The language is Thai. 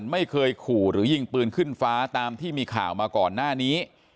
ไม่เคยขู่หรือยิงปืนขึ้นฟ้าตามที่มีข่าวมาก่อนหน้านี้